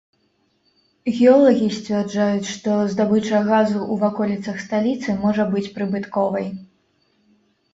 Геолагі сцвярджаюць, што здабыча газу ў ваколіцах сталіцы можа быць прыбытковай.